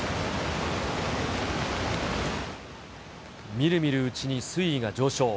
みるみるうちに水位が上昇。